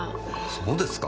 そうですか。